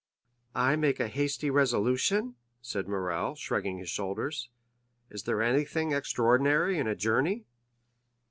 "I make a hasty resolution?" said Morrel, shrugging his shoulders; "is there anything extraordinary in a journey?"